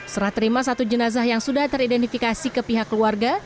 serah terima satu jenazah yang sudah teridentifikasi ke pihak keluarga